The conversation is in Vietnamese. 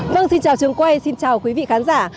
vâng xin chào trường quay xin chào quý vị khán giả